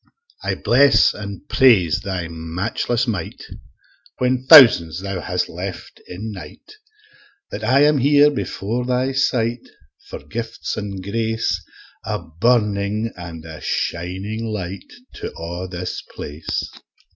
I bless and praise Thy matchless might, When thousands Thou hast left in night, That I am here afore Thy sight, For gifts an' grace A burning and a shining light To a' this place.